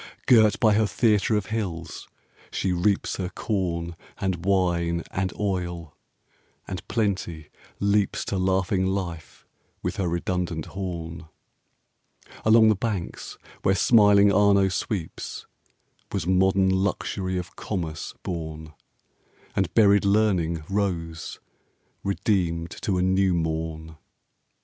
Girt by her theatre of hills, she reaps Her corn, and wine, and oil, and Plenty leaps 5 To laughing life, with her redundant horn. Along the banks where smiling Arno sweeps Was modern Luxury of Commerce born, And buried Learning rose, redeemed to a new morn.